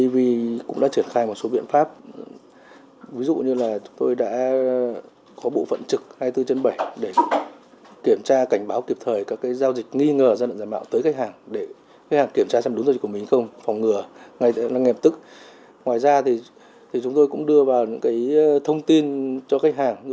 vì vậy chúng tôi cũng đưa vào những thông tin cho khách hàng